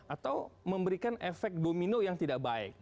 atau memberikan efek domino yang tidak baik